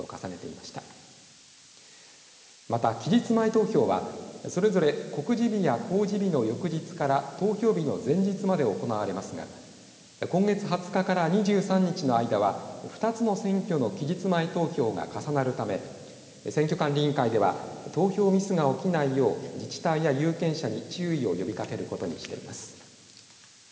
また期日前投票はそれぞれ告示日や公示日の翌日から投票日の前日まで行われますが今月２０日から２３日の間は２つの選挙の期日前投票が重なるため選挙管理委員会では投票ミスが起きないよう自治体や有権者に注意を呼びかけることにしています。